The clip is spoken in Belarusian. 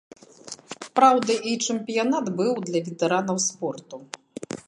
Праўда, і чэмпіянат быў для ветэранаў спорту.